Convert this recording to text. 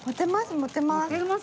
持てます。